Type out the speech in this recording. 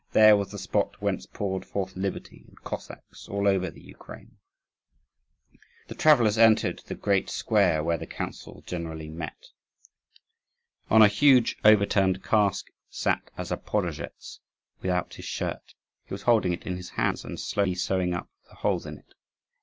There was the spot whence poured forth liberty and Cossacks all over the Ukraine. (2) Enormous wooden sheds, each inhabited by a troop or kuren. The travellers entered the great square where the council generally met. On a huge overturned cask sat a Zaporozhetz without his shirt; he was holding it in his hands, and slowly sewing up the holes in it.